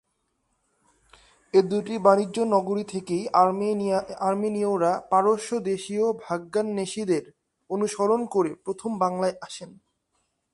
এ দুটি বাণিজ্য-নগরী থেকেই আর্মেনীয়রা পারস্যদেশীয় ভাগ্যান্বেষীদের অনুসরণ করে প্রথম বাংলায় আসেন।